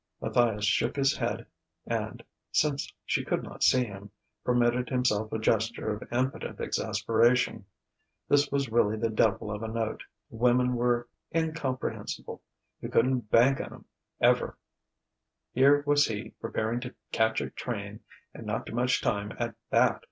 Matthias shook his head and (since she could not see him) permitted himself a gesture of impotent exasperation. This was really the devil of a note! Women were incomprehensible: you couldn't bank on 'em, ever. Here was he preparing to catch a train, and not too much time at that....